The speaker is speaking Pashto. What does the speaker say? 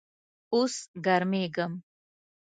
اوس ګرمیږم